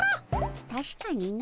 たしかにの。